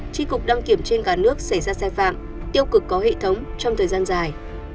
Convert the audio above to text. tri cục đăng kiểm trên cả nước xảy ra sai phạm tiêu cực có hệ thống trong thời gian dài